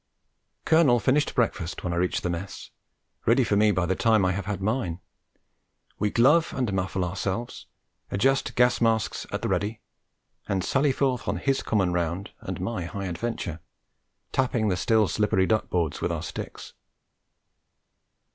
Colonel finished breakfast when I reach the mess; ready for me by the time I have had mine. We glove and muffle ourselves, adjust gas masks 'at the ready,' and sally forth on his common round and my high adventure, tapping the still slippery duck boards with our sticks.